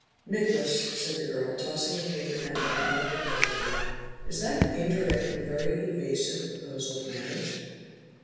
"Nicholas," said the girl, tossing the paper napkin out of the car window, "is that an indirect and very evasive proposal of marriage?"